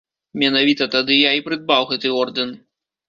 Менавіта тады я і прыдбаў гэты ордэн.